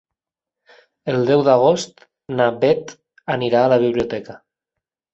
El deu d'agost na Bet anirà a la biblioteca.